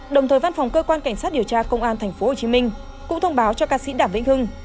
đồng thời văn phòng cơ quan cảnh sát điều tra công an tp hcm cũng thông báo cho ca sĩ đảm vĩnh hưng